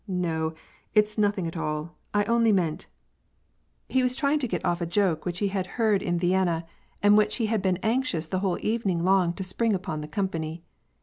" No, it's nothing at all, I only meant "— He was trying to get off a joke which he had heard in WAR AND PEACE. 93 Vienna, and which he had been anxions the whole evening long to spring npon the company.